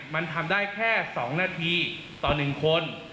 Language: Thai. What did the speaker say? มันทำได้แค่๒นาทีต่อ๑คน